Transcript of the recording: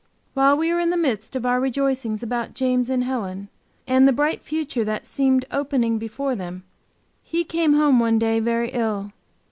While we were in the midst of our rejoicings about James and Helen, and the bright future that seemed opening before them, he came home one day very ill.